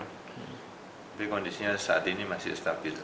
tapi kondisinya saat ini masih stabil